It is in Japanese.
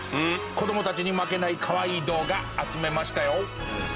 子どもたちに負けない可愛い動画集めましたよ。